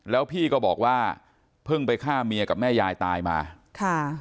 แล้วพี่ก็บอกว่าเพิ่งไปฆ่าเมียกับแม่ยายตายมาค่ะ